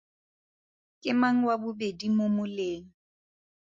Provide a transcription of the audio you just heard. Ke mang wa bobedi mo moleng?